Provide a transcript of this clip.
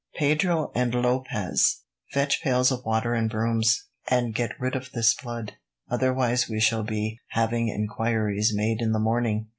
"Pedro and Lopez, fetch pails of water and brooms, and get rid of this blood, otherwise we shall be having enquiries made in the morning."